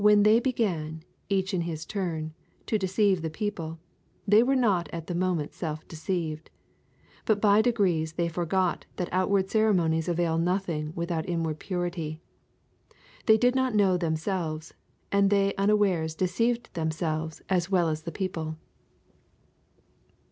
When they began, each in his turn, to deceive the people, they were not at the moment self deceived. But by degrees they forgot that outward ceremonies avail nothing without inward purity. They did not know themselves, and they unawares deceived themselves as well as the people.'